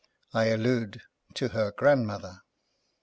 I allude to her grandmother.